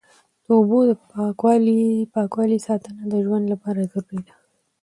د اوبو د پاکوالي ساتنه د ژوند لپاره ضروري ده.